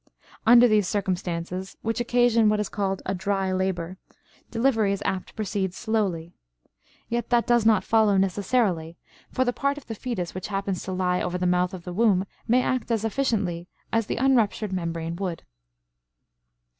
Under these circumstances, which occasion what is called a "dry labor," delivery is apt to proceed slowly, yet that does not follow necessarily, for the part of the fetus which happens to lie over the mouth of the womb may act as efficiently as the unruptured membrane would.